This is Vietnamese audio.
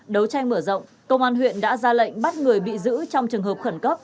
đấu tranh mở rộng công an huyện đã ra lệnh bắt người bị giữ trong trường hợp khẩn cấp